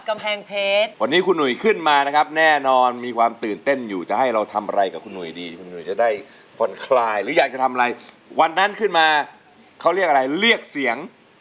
กำแพงเพชรวันนี้คุณหนุ่ยขึ้นมานะครับแน่นอนมีความตื่นเต้นอยู่จะให้เราทำอะไรกับคุณหุยดีคุณหนุ่ยจะได้ผ่อนคลายหรืออยากจะทำอะไรวันนั้นขึ้นมาเขาเรียกอะไรเรียกเสียง